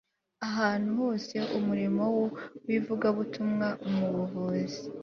Ahantu hose umurimo wivugabutumwa mu buvuzi